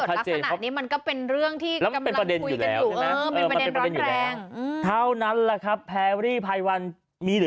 ถ้าเกิดลักษณะนี้มันก็เป็นเรื่องที่กำลังคุยกันอยู่